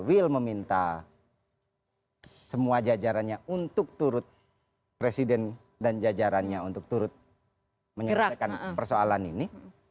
wil meminta semua jajarannya untuk turut presiden dan jajarannya untuk turut menyelesaikan persoalan ini